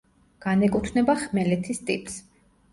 განეკუთვნება „ხმელეთის“ ტიპს.